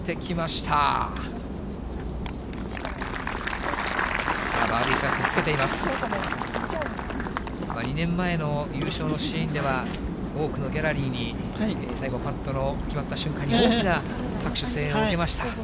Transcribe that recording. ただ２年前の優勝のシーンでは、多くのギャラリーに、最後、パットの決まった瞬間に、大きな拍手、声援を受けました。